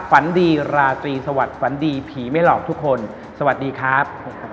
ฝันดีราตรีสวัสดิฝันดีผีไม่หลอกทุกคนสวัสดีครับ